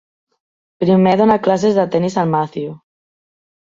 Primer dona classes de tennis al Matthew.